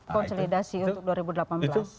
konsolidasi untuk dua ribu delapan belas